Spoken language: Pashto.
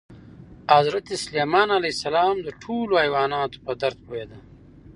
حضرت سلیمان علیه السلام د ټولو حیواناتو په درد پوهېده.